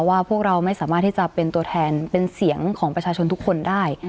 ว่าพวกเราไม่สามารถที่จะเป็นตัวแทนเป็นเสียงของประชาชนทุกคนได้